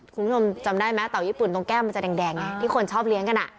คุณผู้ชมจำได้ไหมเต่าญี่ปุ่นตรงแก้มมันจะแดงไงที่คนชอบเลี้ยงกัน